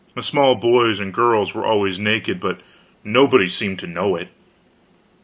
The small boys and girls were always naked; but nobody seemed to know it.